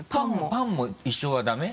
パンも一緒はダメ？